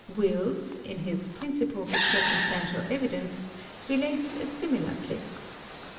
Wélls, in his ' Principles of Circumstantial Evidence' ", relates a similar case.